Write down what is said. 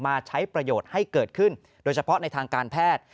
มาใช้ประโยชน์ให้เกิดขึ้นโดยเฉพาะในทางการแพทย์